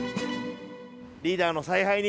リーダーの采配に。